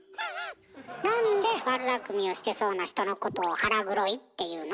なんで悪だくみをしてそうな人のことを腹黒いっていうの？